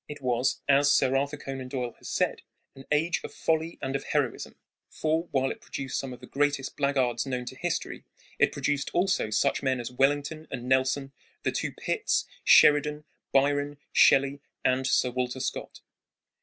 It was, as Sir Arthur Conan Doyle has said, "an age of folly and of heroism"; for, while it produced some of the greatest black guards known to history, it produced also such men as Wellington and Nelson, the two Pitts, Sheridan, Byron, Shelley, and Sir Walter Scott.